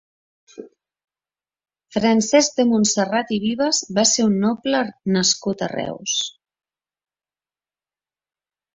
Francesc de Montserrat i Vives va ser un noble nascut a Reus.